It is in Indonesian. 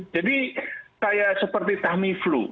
jadi kayak seperti tami flu